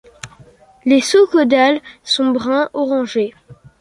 Les sous-caudales sont brun orangé.